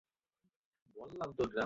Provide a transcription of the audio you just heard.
এখানে থাকতে পারবো না আমি!